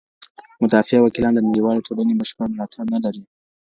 مدافع وکیلان د نړیوالي ټولني بشپړ ملاتړ نه لري.